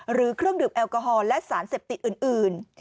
เครื่องดื่มแอลกอฮอลและสารเสพติดอื่น